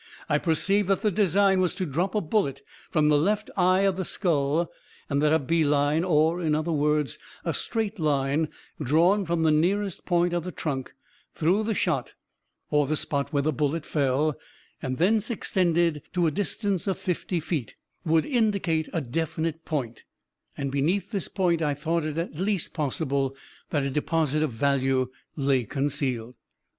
I perceived that the design was to drop a bullet from the left eye of the skull, and that a bee line, or, in other words, a straight line, drawn from the nearest point of the trunk through the shot (or the spot where the bullet fell), and thence extended to a distance of fifty feet, would indicate a definite point and beneath this point I thought it at least possible that a deposit of value lay concealed."